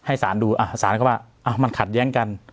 ให้สารดูอ่ะสารก็ว่าอ้าวมันขัดแย้งกัน